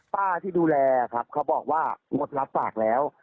ป้าที่ดูแลครับเขาบอกว่างดรับฝากแล้ว